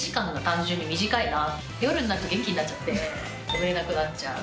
夜になると元気になっちゃって眠れなくなっちゃう。